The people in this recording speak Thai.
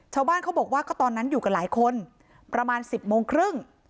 ชาวบ้านเขาบอกว่าก็ตอนนั้นอยู่กับหลายคนประมาณ๑๐โมงครึ่ง